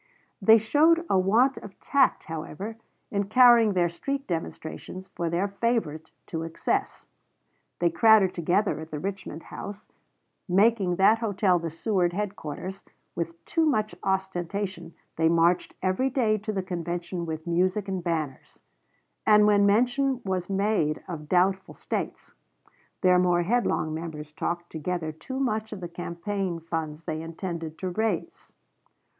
They showed a want of tact, however, in carrying their street demonstrations for their favorite to excess; they crowded together at the Richmond House, making that hotel the Seward headquarters; with too much ostentation they marched every day to the convention with music and banners; and when mention was made of doubtful States, their more headlong members talked altogether too much of the campaign funds they intended to raise.